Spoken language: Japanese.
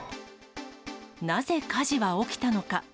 なぜ火事は起きたのか。